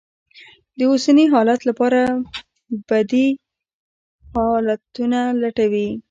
د اوسني حالت لپاره بدي ل حالتونه لټوي.